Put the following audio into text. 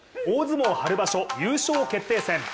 大相撲春場所優勝決定戦。